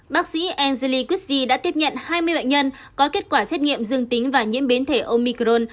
bác sĩ angely quessi đã tiếp nhận hai mươi bệnh nhân có kết quả xét nghiệm dương tính và nhiễm biến thể omicron